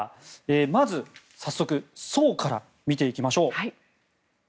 まず、早速走から見ていきましょう。